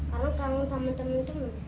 karena kangen sama temen temen